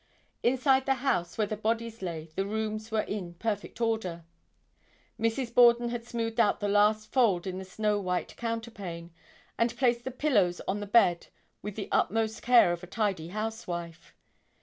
Inside the house where the bodies lay the rooms were in perfect order. Mrs. Borden had smoothed out the last fold in the snow white counterpane, and placed the pillows on the bed with the utmost care of a tidy housewife.